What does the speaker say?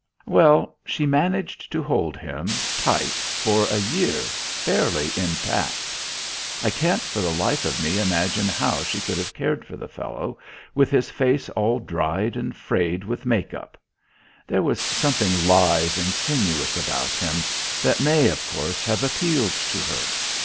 Well, she managed to hold him, tight, for a year, fairly intact. I can't for the life of me imagine how she could have cared for the fellow, with his face all dried and frayed with make up. There was something lithe and sinuous about him that may, of course, have appealed to her.